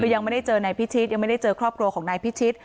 ยังไม่ได้เจอนายพิชิตยังไม่ได้เจอครอบครัวของนายพิชิต